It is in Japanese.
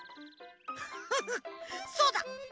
フフッそうだ！